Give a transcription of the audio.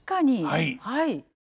はい。